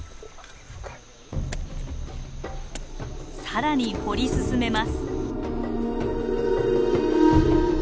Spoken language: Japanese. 更に掘り進めます。